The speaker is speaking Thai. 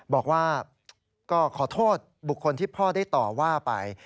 บอกว่าก็ขอโทษบุคคลที่พ่อได้ต่อว่าไป